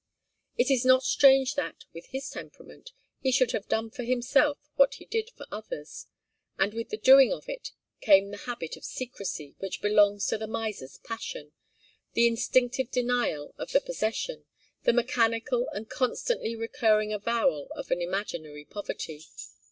It is not strange that, with his temperament, he should have done for himself what he did for others. And with the doing of it came the habit of secrecy, which belongs to the miser's passion, the instinctive denial of the possession, the mechanical and constantly recurring avowal of an imaginary poverty.